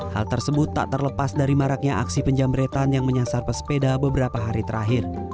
hal tersebut tak terlepas dari maraknya aksi penjamretan yang menyasar pesepeda beberapa hari terakhir